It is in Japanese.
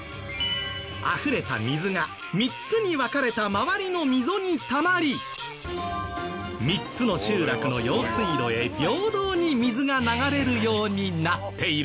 あふれた水が３つに分かれた周りの溝にたまり３つの集落の用水路へ平等に水が流れるようになっている。